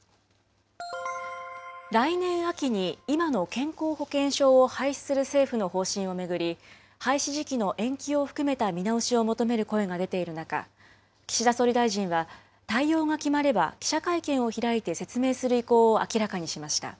来年秋に、今の健康保険証を廃止する政府の方針を巡り、廃止時期の延期を含めた見直しを求める声が出ている中、岸田総理大臣は、対応が決まれば、記者会見を開いて説明する意向を明らかにしました。